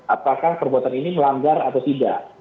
apakah perbuatan ini melanggar atau tidak